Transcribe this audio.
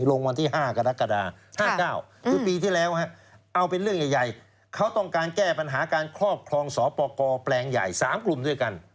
วันที่๕กรกฎา๕๙คือปีที่แล้วเอาเป็นเรื่องใหญ่เขาต้องการแก้ปัญหาการครอบครองสปกรแปลงใหญ่๓กลุ่มด้วยกัน